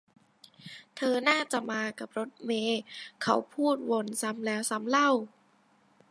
เธอน่าจะมากับรถเมย์ เขาพูดวนซ้ำแล้วซ้ำเล่า